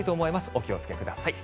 お気をつけください。